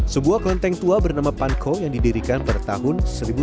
sebuah kelenteng tua bernama panko yang didirikan bertahun seribu tujuh ratus tiga